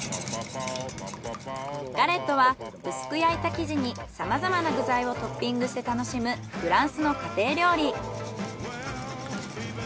ガレットは薄く焼いた生地にさまざまな具材をトッピングして楽しむフランスの家庭料理。